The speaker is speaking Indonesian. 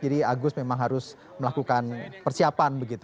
jadi agus memang harus melakukan persiapan